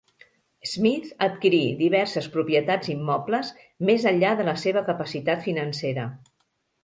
Smith adquirí diverses propietats immobles, més enllà de la seva capacitat financera.